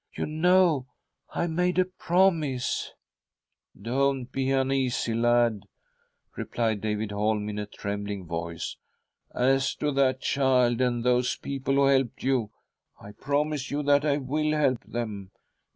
You know, I made a promise." "Don't be uneasy, lad," replied David Holm, in a trembling voice. " As to that child, and those people who helped you, I promise you that I will help them.